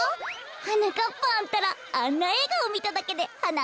はなかっぱんたらあんなえいがをみただけではなをさかせるのね。